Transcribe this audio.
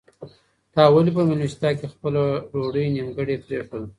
تا ولې په مېلمستیا کې خپله ډوډۍ نیمګړې پرېښوده؟